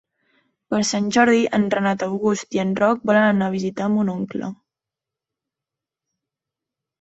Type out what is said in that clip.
Per Sant Jordi en Renat August i en Roc volen anar a visitar mon oncle.